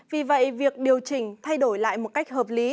vì vậy việc điều chỉnh thay đổi lại một cách hợp lý